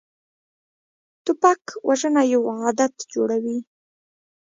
توپک وژنه یو عادت جوړوي.